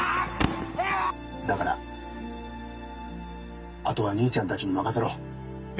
だからあとは兄ちゃんたちに任せろ。